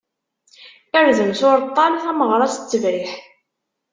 Irden s uṛeṭṭal, tameɣṛa s ttebriḥ.